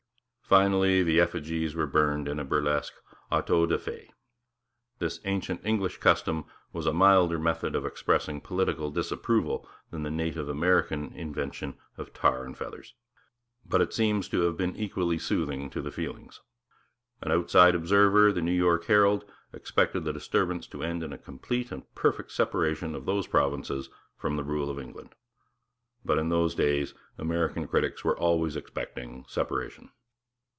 Finally the effigies were burned in a burlesque auto da fé. This ancient English custom was a milder method of expressing political disapproval than the native American invention of tar and feathers; but it seems to have been equally soothing to the feelings. An outside observer, the New York Herald, expected the disturbance to end in 'a complete and perfect separation of those provinces from the rule of England'; but in those days American critics were always expecting separation.